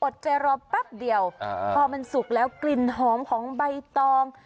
ใจรอแป๊บเดียวพอมันสุกแล้วกลิ่นหอมของใบตอง